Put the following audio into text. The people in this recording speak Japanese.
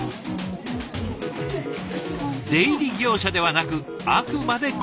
出入り業者ではなくあくまで公務員。